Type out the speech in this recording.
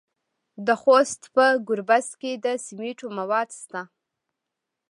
د خوست په ګربز کې د سمنټو مواد شته.